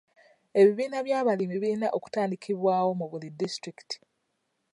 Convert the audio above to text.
Ebibiina by'abalimi birina okutandikibwawo mu buli disitulikiti.